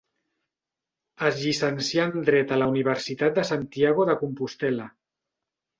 Es llicencià en dret a la Universitat de Santiago de Compostel·la.